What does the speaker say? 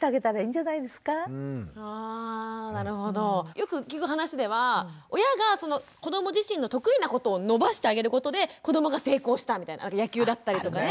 よく聞く話では親がその子ども自身の得意なことを伸ばしてあげることで子どもが成功したみたいな野球だったりとかね。